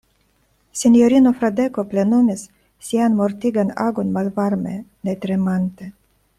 Sinjorino Fradeko plenumis sian mortigan agon malvarme, ne tremante.